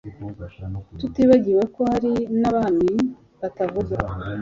tutibagiwe ko hari n'abami batavugwa